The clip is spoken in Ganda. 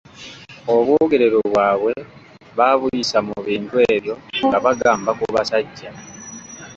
Obwogerero bwabwe baabuyisa mu bintu ebyo nga bagamba ku basajja.